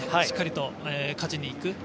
しっかりと勝ちにいく。